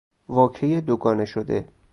واکه دوگانه شده